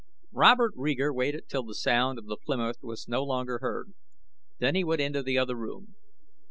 Robert Reeger waited till the sound of the Plymouth was no longer heard. Then he went into the other room.